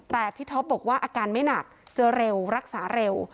แต่พี่ท็อปบอกว่าอาการไม่หนักเจอเร็วรักษาเร็ว